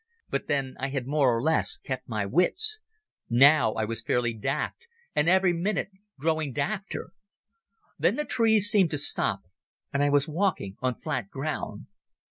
But then I had more or less kept my wits. Now I was fairly daft, and every minute growing dafter. Then the trees seemed to stop and I was walking on flat ground.